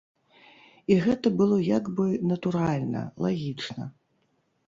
І гэта было як бы натуральна, лагічна.